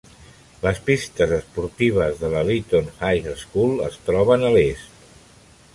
Les pistes esportives de la Leeton High School es troben a l'est.